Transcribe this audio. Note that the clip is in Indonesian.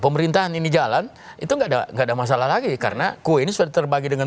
pemerintahan ini jalan itu enggak ada enggak ada masalah lagi karena kue ini sudah terbagi dengan